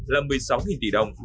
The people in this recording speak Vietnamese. là một mươi sáu tỷ đồng